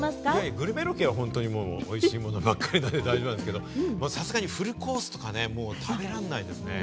グルメロケはおいしいものばっかりなんで、大丈夫なんですけれども、フルコースとかは、やっぱり食べられないですね。